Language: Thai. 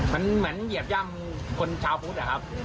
มันเหมือนเหยียบย่ำคนชาวพุทธอะครับ